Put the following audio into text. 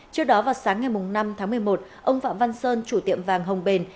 trước đó vào sáng ngày năm tháng một mươi một ông phạm văn sơn chủ tiệm vàng hồng bền